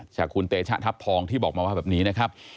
จากคุณเตชะทัพทองที่บอกมาว่าแบบนี้นะครับ